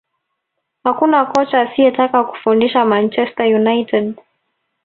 Hakuna kocha asiyetaka kufundisha Manchester United